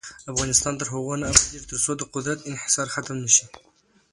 افغانستان تر هغو نه ابادیږي، ترڅو د قدرت انحصار ختم نشي.